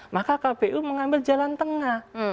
maka kpu mengambil jalan tengah